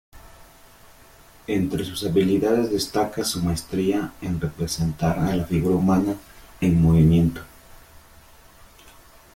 Entre sus habilidades destaca su maestría en representar a la figura humana en movimiento.